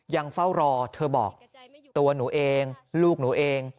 ยังเฝ้ารอเธอบอกตัวหนูเองลูกหนูเอง